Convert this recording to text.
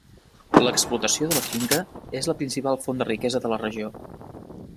L'explotació de la finca és la principal font de riquesa de la regió.